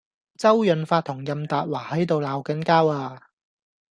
周潤發同任達華喺度鬧緊交呀